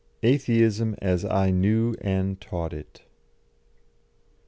ATHEISM AS I KNEW AND TAUGHT IT.